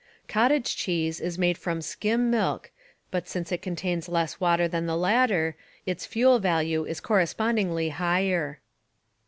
Cottage Cheese is made from skim milk, but since it contains less water than the latter its fuel value is correspondingly higher.